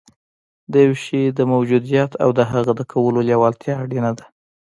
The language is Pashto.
د یوه شي د موجودیت او د هغه د کولو لېوالتیا اړینه ده